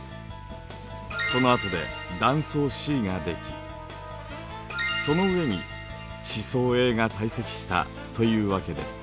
そのあとで断層Ｃができその上に地層Ａが堆積したというわけです。